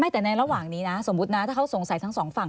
แต่ในระหว่างนี้นะสมมุตินะถ้าเขาสงสัยทั้งสองฝั่ง